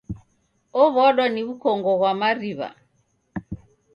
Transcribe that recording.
Ow'adwa ni w'ukongo ghwa mariw'a